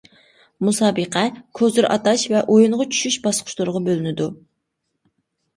مۇسابىقە كوزىر ئاتاش ۋە ئويۇنغا چۈشۈش باسقۇچلىرىغا بۆلۈنىدۇ.